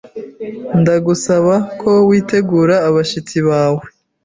Ndagusaba ko witegura abashyitsi bawe.